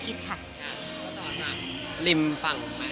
ต่อจากริมฟัง